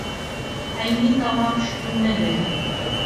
عيني ځواب شتون نه لري.